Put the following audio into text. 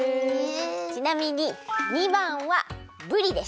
ちなみに２ばんはぶりでした！